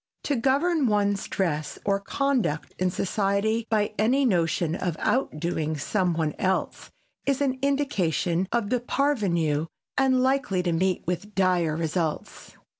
To govern one's dress or conduct in society by any notion of outdoing some one else is an indication of the parvenu and likely to meet with dire results.